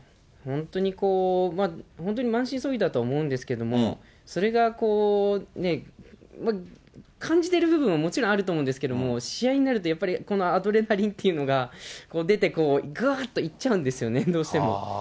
本当に、本当に満身創痍だとは思うんですけども、それが感じてる部分はもちろんあると思うんですけれども、試合になるとやっぱり、このアドレナリンというのが出て、ぐーっといっちゃうんですよね、どうしても。